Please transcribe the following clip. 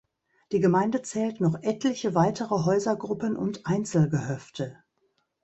Die Gemeinde zählt noch etliche weitere Häusergruppen und Einzelgehöfte.